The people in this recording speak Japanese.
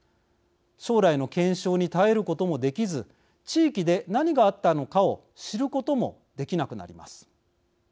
将来の検証に耐えることもできず地域で何があったのかを知ることもできなくなります。